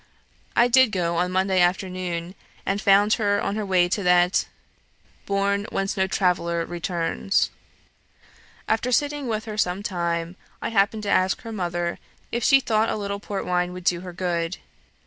I did go on Monday afternoon, and found her on her way to that 'bourn whence no traveller returns.' After sitting with her some time, I happened to ask her mother, if she thought a little port wine would do her good.